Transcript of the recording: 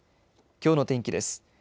きょうの天気です。